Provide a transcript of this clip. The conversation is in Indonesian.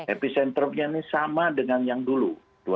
epicentrumnya ini sama dengan yang dulu dua ribu sebelas